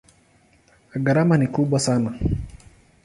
Gharama ni kubwa sana.